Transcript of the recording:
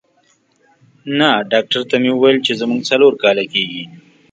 نه، ډاکټر ته مې وویل چې زموږ څلور کاله کېږي.